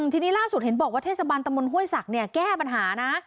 ทีนี้ล่าสุดเห็นบอกว่าเทศบาลตำบลห้วยศักดิ์แก้ปัญหานะ